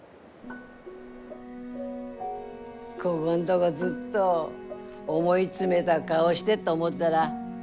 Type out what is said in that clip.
こごんどごずっと思い詰めだ顔してっと思ったら。